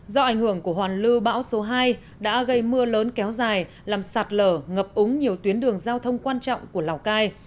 do ảnh hưởng của hoàn lưu bão số hai đã gây mưa lớn kéo dài làm sạt lở ngập úng nhiều tuyến đường giao thông quan trọng của lào cai